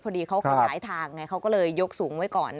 พอดีเขาขยายทางไงเขาก็เลยยกสูงไว้ก่อน